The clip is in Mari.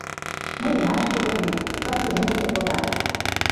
Мыйынат шке корнем — Васлием воктек возам.